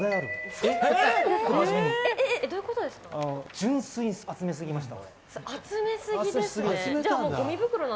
純粋に集め過ぎました。